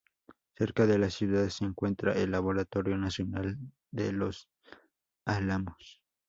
Cerca de la ciudad se encuentra el Laboratorio Nacional de Los Álamos.